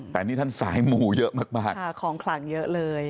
แต่นี่ท่านสายหมู่เยอะมากค่ะของขลังเยอะเลย